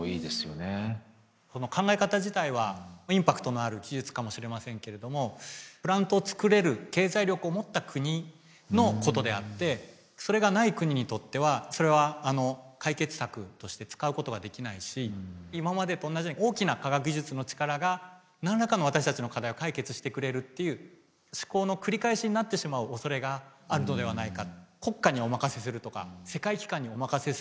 この考え方自体はインパクトのある技術かもしれませんけれどもプラントをつくれる経済力を持った国のことであってそれがない国にとってはそれは解決策として使うことができないし今までと同じように大きな科学技術の力が何らかの私たちの課題を解決してくれるっていう思考の繰り返しになってしまうおそれがあるのではないか。